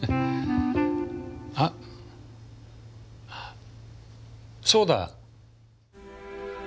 あっそうだ。